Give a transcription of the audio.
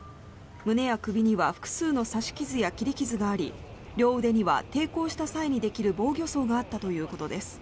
胸や首には複数の刺し傷や切り傷があり両腕には抵抗した際にできる防御創があったということです。